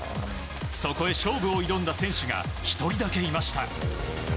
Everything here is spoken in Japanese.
そこへ勝負を挑んだ選手が１人だけいました。